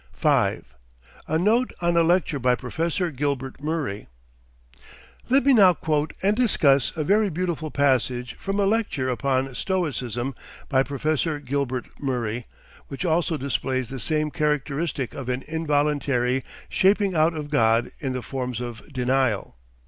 5. A NOTE ON A LECTURE BY PROFESSOR GILBERT MURRAY Let me now quote and discuss a very beautiful passage from a lecture upon Stoicism by Professor Gilbert Murray, which also displays the same characteristic of an involuntary shaping out of God in the forms of denial.